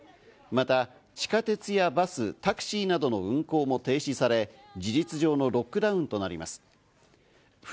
また地下鉄やバス、タクシーなどの運行も停止され、事実上のロックダウンとなります。